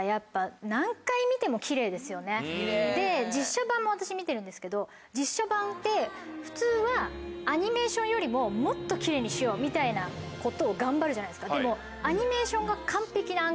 やっぱ。で実写版も私見てるんですけど実写版って普通はアニメーションよりももっとキレイにしようみたいなことを頑張るじゃないですか。